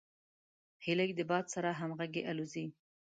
هیلۍ د باد سره همغږي الوزي